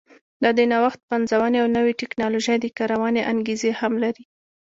دا د نوښت، پنځونې او نوې ټکنالوژۍ د کارونې انګېزې هم لري.